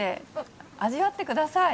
味わってください。